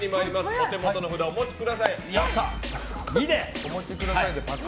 お手元の札をお持ちください。